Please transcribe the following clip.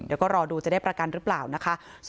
เดี๋ยวก็รอดูจะได้ประกันหรือเปล่านะคะ